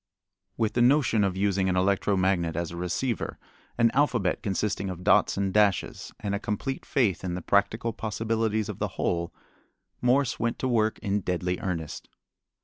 With the notion of using an electro magnet as a receiver, an alphabet consisting of dots and dashes, and a complete faith in the practical possibilities of the whole, Morse went to work in deadly earnest.